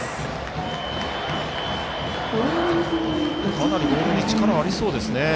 かなりボールに力がありそうです。